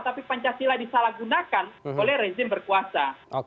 tapi pancasila disalahgunakan oleh rezim berkuasa